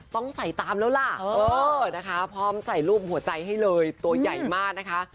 ต้องใส่ตามแล้วล่ะเออนะคะพร้อมใส่รูปหัวใจให้เลยตัวใหญ่มากนะคะ